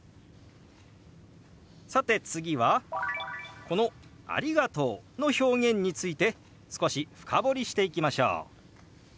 さて次はこの「ありがとう」の表現について少し深掘りしていきましょう。